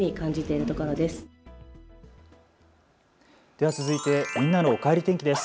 では続いてみんなのおかえり天気です。